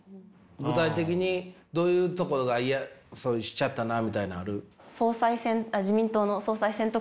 具体的にどういうところがしちゃったなみたいなんある？